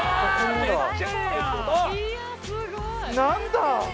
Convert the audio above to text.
何だ⁉